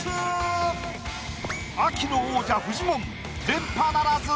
秋の王者フジモン連覇ならず。